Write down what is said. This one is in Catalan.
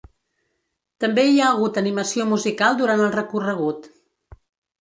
També hi ha hagut animació musical durant el recorregut.